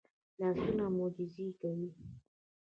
لاسونه معجزې کوي